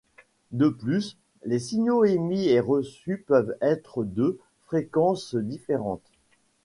De plus, les signaux émis et reçu peuvent être de fréquence différente.